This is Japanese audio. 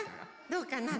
どうかな？